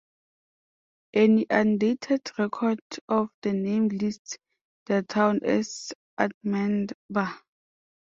An undated record of the name lists the town as "Edminber".